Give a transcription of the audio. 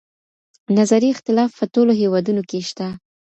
نظري اختلاف په ټولو هیوادونو کې شته.